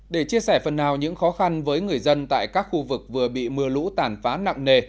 để chia sẻ phần nào những khó khăn với người dân tại các khu vực vừa bị mưa lũ tàn phá nặng nề